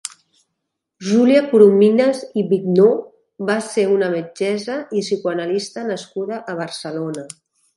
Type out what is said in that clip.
Júlia Coromines i Vigneaux va ser una metgessa i psicoanalista nascuda a Barcelona.